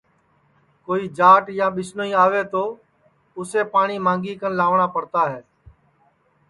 کوئی جاٹ یا ٻِسنوئی آوے تو اُسسے پاٹؔی مانگی کن لاوٹؔا پڑتا ہے اِدؔا مھوڑی ہوئی گی